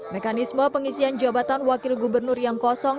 mekanisme pengisian jabatan wakil gubernur yang kosong